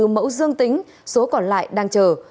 ba mươi bốn mẫu dương tính số còn lại đang chờ